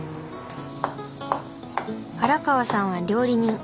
原川さんは料理人。